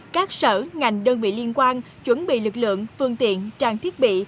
các sở ngành đơn vị liên quan chuẩn bị lực lượng phương tiện trang thiết bị